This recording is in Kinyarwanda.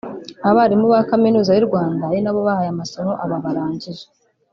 abarimu ba Kaminuza y’u Rwanda ari nabo bahaye amasomo aba barangije